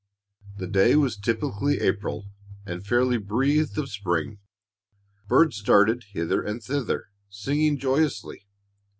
The day was typically April and fairly breathed of spring. Birds darted hither and thither, singing joyously.